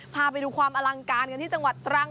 พาไปดูความอลังการกันที่จังหวัดตรัง